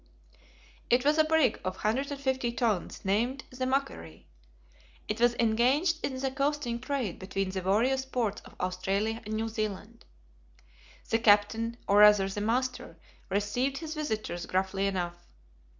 It was a brig of 150 tons, named the MACQUARIE. It was engaged in the coasting trade between the various ports of Australia and New Zealand. The captain, or rather the "master," received his visitors gruffly enough.